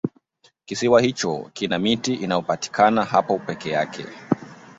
kisiwa hicho kina miti inayopatikana hapo peke yake